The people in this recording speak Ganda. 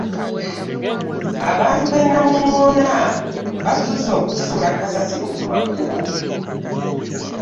Abantu b'e Namungoona basusse okusuula kasasiro ku makubo.